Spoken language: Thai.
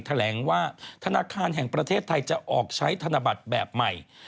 แถลงว่าธนาคารแห่งประเทศไทยจะออกใช้ธนบัตรแบบใหม่